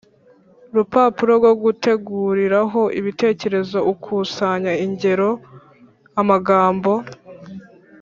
rupapuro rwo guteguriraho ibitekerezo. Ukusanya ingero, amagambo